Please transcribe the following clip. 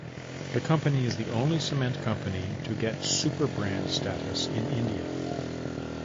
The company is only cement company to get Superbrand status in India.